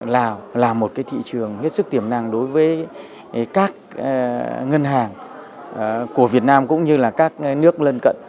lào là một cái thị trường hết sức tiềm năng đối với các ngân hàng của việt nam cũng như là các nước lân cận